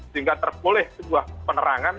sehingga terboleh sebuah penerangan